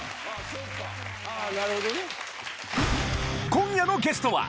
今夜のゲストは！